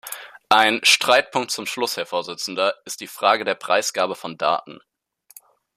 Ein Streitpunkt zum Schluss, Herr Vorsitzender, ist die Frage der Preisgabe von Daten.